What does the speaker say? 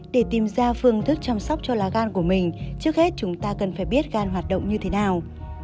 để tìm ra phương thức chăm sóc cho lá gan của mình trước hết chúng ta cần phải biết gan hoạt động như thế nào